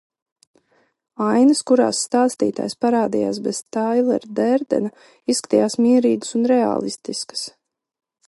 Ainas, kurās Stāstītājs parādījās bez Tailera Dērdena, izskatījās mierīgas un reālistiskas.